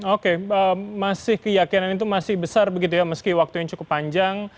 oke masih keyakinan itu masih besar begitu ya meski waktu yang cukup panjang